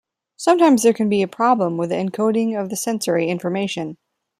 Sometimes there can be a problem with the encoding of the sensory information.